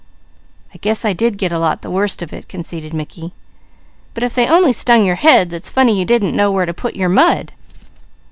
"I guess I did get a lot the worst of it," conceded Mickey. "But if they only stung your heads, it's funny you didn't know where to put your mud!"